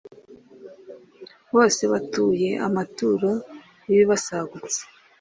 bose batuye amaturo y’ibibasagutse